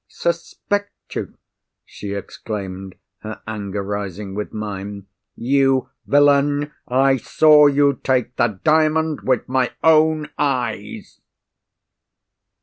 "Suspect you!" she exclaimed, her anger rising with mine. "_You villain, I saw you take the Diamond with my own eyes!